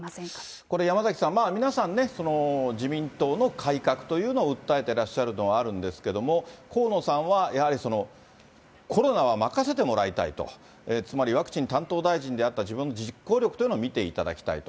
これ、やまざきさん、皆さんね、自民党の改革というのを訴えてらっしゃるのはあるんですけれども、河野さんはやはりコロナは任せてもらいたいと、つまりワクチン担当大臣であった自分の実行力というのを見ていただきたいと。